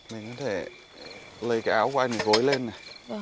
mình có thể lấy cái áo của anh gối lên này